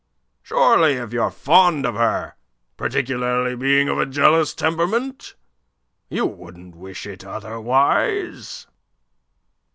Surely, if you're fond of her, particularly being of a jealous temperament, you wouldn't wish it otherwise?"